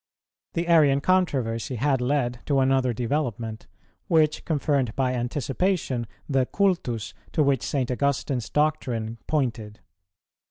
The Arian controversy had led to another development, which confirmed by anticipation the cultus to which St. Augustine's doctrine pointed.